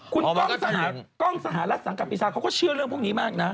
คุณกล้องสหรัฐสังกัดปีชาเขาก็เชื่อเรื่องพวกนี้มากนะ